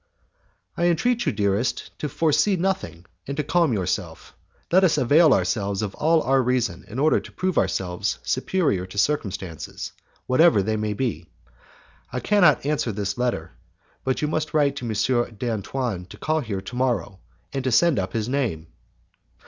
"I entreat you, dearest, to foresee nothing, and to calm yourself. Let us avail ourselves of all our reason in order to prove ourselves superior to circumstances, whatever they may be. I cannot answer this letter, but you must write to M. d'Antoine to call here tomorrow and to send up his name."